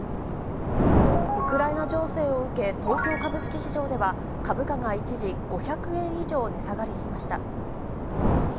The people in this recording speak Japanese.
ウクライナ情勢を受け、東京株式市場では、株価が一時、５００円以上値下がりしました。